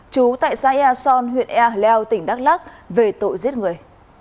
chú tại saia son huyện ea hleau tỉnh đắk lắc về tội giết người